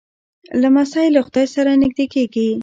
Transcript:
لمسی له خدای سره نږدې کېږي.